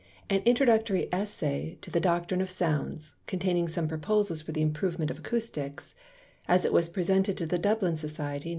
_An introductory Essay to the Doctrine of Sounds, containing some Proposals for the improvement of Acousticks; As it was presented to the Dublin Society, Nov.